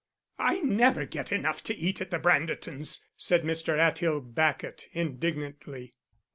"I never get enough to eat at the Brandertons," said Mr. Atthill Bacot, indignantly.